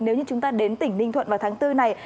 nếu như chúng ta đến tỉnh ninh thuận vào tháng bốn này